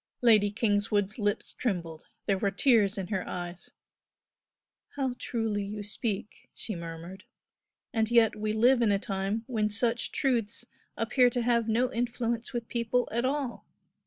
Lady Kingswood's lips trembled; there were tears in her eyes. "How truly you speak!" she murmured "And yet we live in a time when such truths appear to have no influence with people at all.